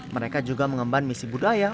mereka juga mengemban misi budaya